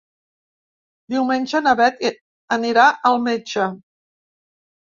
Diumenge na Bet anirà al metge.